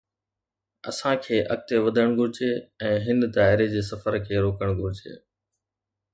اسان کي اڳتي وڌڻ گهرجي ۽ هن دائري جي سفر کي روڪڻ گهرجي.